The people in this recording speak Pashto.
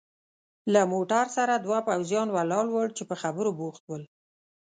له موټر سره دوه پوځیان ولاړ ول چې په خبرو بوخت ول.